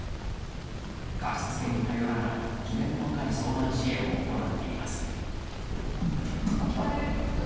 貸付に頼らないきめ細かい相談支援を行っています。